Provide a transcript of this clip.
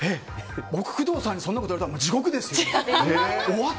僕、工藤さんにそんなこと言われたら地獄ですよ。